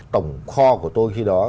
tổng kho của tôi khi đó